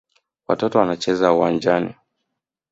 Watoto wanacheza uwanjani.